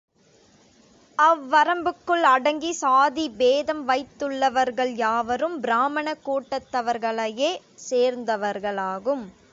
அவ்வரம்புக்குள் அடங்கி சாதி பேதம் வைத்துள்ளவர்கள் யாவரும் பிராமணக் கூட்டத்தவர்களையே சேர்ந்தவர்களாகும்.